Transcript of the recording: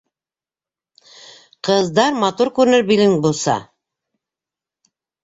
Ҡыздар матур күренер билен быуса